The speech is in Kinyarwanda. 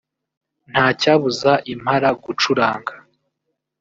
“Nta cyabuza Impala gucuranga”